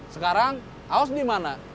sekarang aos dimana